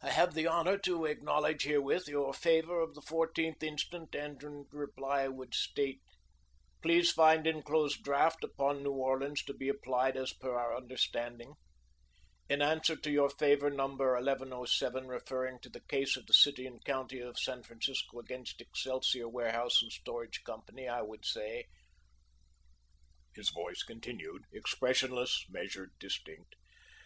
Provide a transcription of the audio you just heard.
"I have the honour to acknowledge herewith your favour of the 14th instant, and in reply would state " "Please find enclosed draft upon New Orleans to be applied as per our understanding " "In answer to your favour No. 1107, referring to the case of the City and County of San Francisco against Excelsior Warehouse & Storage Co., I would say " His voice continued, expressionless, measured, distinct.